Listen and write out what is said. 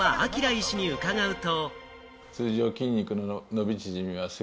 医師に伺うと。